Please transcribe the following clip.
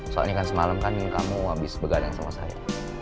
soalnya kan semalam kamu abis begadang sama saya